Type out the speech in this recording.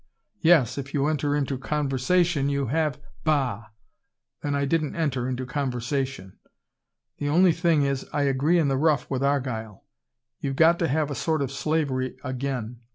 "Yes, if you enter into conversation, you have " "Bah, then I didn't enter into conversation. The only thing is, I agree in the rough with Argyle. You've got to have a sort of slavery again.